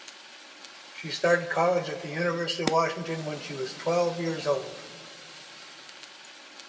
She started college at the University of Washington when she was twelve years old.